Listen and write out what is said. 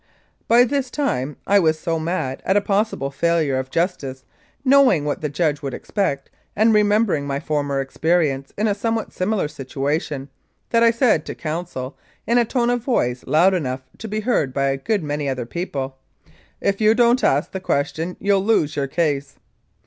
'" By this time I was so mad at a possible failure of justice, know ing what the judge would expect, and remembering my former experience in a somewhat similar situation, that I said to counsel in a tone of voice loud enough to be heard by a good many other people, "If you don't ask the question you'll lose your case."